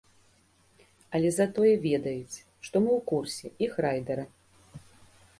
Але затое ведаюць, што мы ў курсе іх райдара.